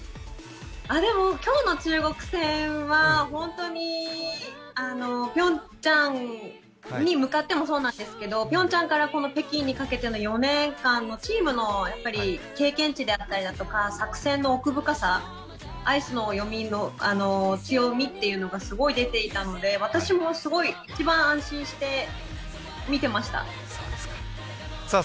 でも、今日の中国戦は本当にピョンチャンに向かってもそうなんですけどピョンチャンからこの北京にかけての４年間のチームの経験値であったりとか作戦の奥深さアイスの読みの強みっていうのがすごい出ていたので私もすごい一番安心して見てました。